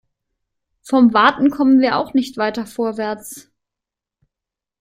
Vom Warten kommen wir auch nicht weiter vorwärts.